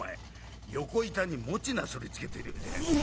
横板に餅なすりつけてるようじゃねえ。